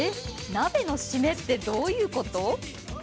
鍋の締めってどういうこと？